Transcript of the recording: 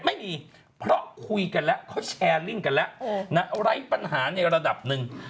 ไม่มีเพราะคุยกันแล้วเขาแชร์ลิ่งกันแล้วไร้ปัญหาในระดับหนึ่ง